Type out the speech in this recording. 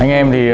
anh em thì